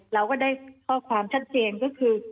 เราก็ได้ข้อความชัดเจนก็คือ